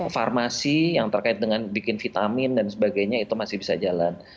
farmasi yang terkait dengan bikin vitamin dan sebagainya itu masih bisa jalan